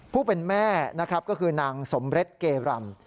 ผู้เป็นแม่นะครับก็คือนางสมเร็จเกรำ